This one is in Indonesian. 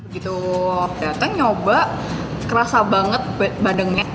begitu datang nyoba kerasa banget bandengnya